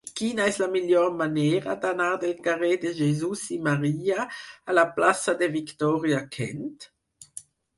Quina és la millor manera d'anar del carrer de Jesús i Maria a la plaça de Victòria Kent?